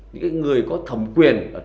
những người có thẩm quyền